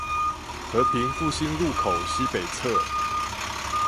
和平復興路口西北側